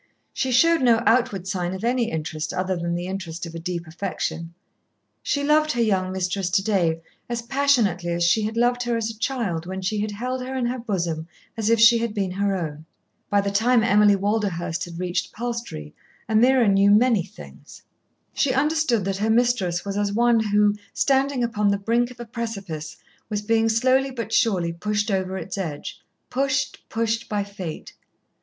She showed no outward sign of any interest other than the interest of a deep affection. She loved her young mistress to day as passionately as she had loved her as a child when she had held her in her bosom as if she had been her own. By the time Emily Walderhurst had reached Palstrey, Ameerah knew many things. She understood that her mistress was as one who, standing upon the brink of a precipice, was being slowly but surely pushed over its edge pushed, pushed by Fate.